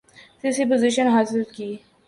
تیسری پوزیشن حاصل کی